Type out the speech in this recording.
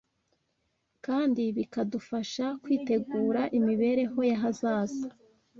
kandi bikadufasha kwitegura imibereho y’ahazaza.